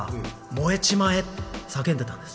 「燃えちまえ」って叫んでたんです